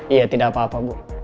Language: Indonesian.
iya tidak apa apa bu